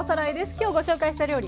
今日ご紹介した料理